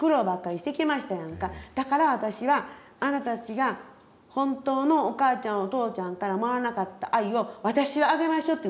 だから私はあなたたちが本当のお母ちゃんお父ちゃんからもらわなかった愛を私があげましょって言うてんねん。